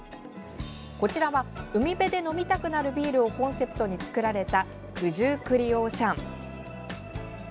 こちらは、海辺で飲みたくなるビールをコンセプトに作られた九十九里オーシャン。